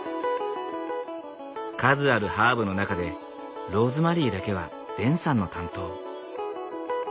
数あるハーブの中でローズマリーだけはデンさんの担当。